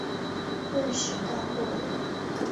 顿时到货了